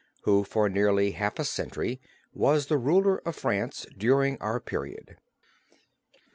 who for nearly half a century was the ruler of France during our period.